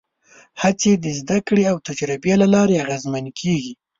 هڅې د زدهکړې او تجربې له لارې اغېزمنې کېږي.